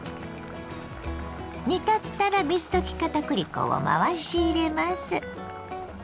煮立ったら水溶き片栗粉を回し入れます。